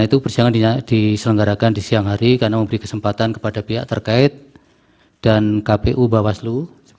untuk pemilihan presiden dan wakil presiden tahun dua ribu dua puluh empat